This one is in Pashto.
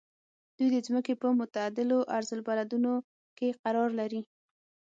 دوی د ځمکې په معتدلو عرض البلدونو کې قرار لري.